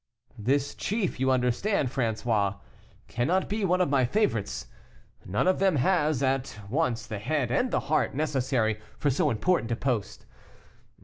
"This chief, you understand, François, cannot be one of my favorites; none of them has at once the head and the heart necessary for so important a post.